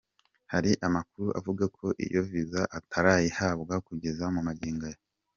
Hari amakuru avuga ko iyo visa atarayihabwa kugeza magingo aya.